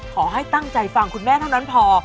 ขอให้ตั้งใจฟังคุณแม่เท่านั้นพอ